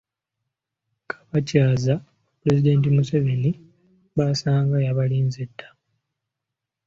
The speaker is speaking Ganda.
Kabakyaza Pulezidenti Museveni baasanga yabalinze dda.